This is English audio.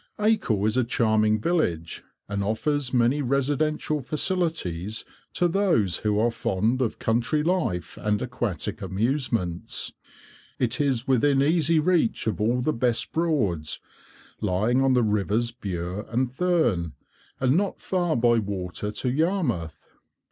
Acle is a charming village, and offers many residential facilities to those who are fond of country life and aquatic amusements. It is within easy reach of all the best Broads, lying on the rivers Bure and Thurne, and not far by water to Yarmouth.